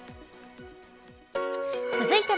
続いては＃